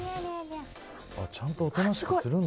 ちゃんとおとなしくするんだ。